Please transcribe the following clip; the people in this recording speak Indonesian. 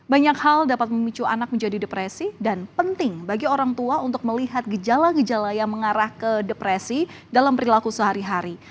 banyak hal dapat memicu anak menjadi depresi dan penting bagi orang tua untuk melihat gejala gejala yang mengarah ke depresi dalam perilaku sehari hari